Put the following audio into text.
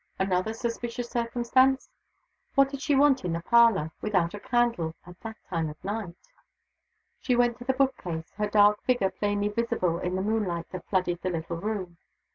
Another suspicious circumstance! What did she want in the parlor, without a candle, at that time of night? She went to the book case her dark figure plainly visible in the moonlight that flooded the little room.